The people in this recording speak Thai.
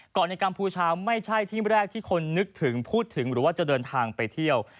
ในกัมพูชาไม่ใช่ที่แรกที่คนนึกถึงพูดถึงหรือว่าจะเดินทางไปเที่ยว